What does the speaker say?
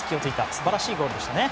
素晴らしいゴールでしたね。